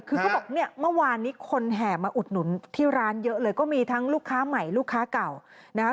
คือเขาบอกเนี่ยเมื่อวานนี้คนแห่มาอุดหนุนที่ร้านเยอะเลยก็มีทั้งลูกค้าใหม่ลูกค้าเก่านะคะ